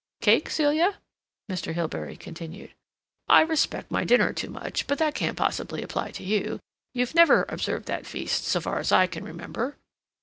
Cake, Celia?" Mr. Hilbery continued. "I respect my dinner too much, but that can't possibly apply to you. You've never observed that feast, so far as I can remember."